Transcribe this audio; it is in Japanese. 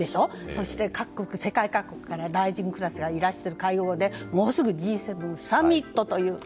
そして、各国から大臣クラスがいらしている会合でもうすぐＧ７サミットという。